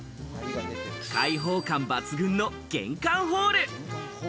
開放感抜群の玄関ホール。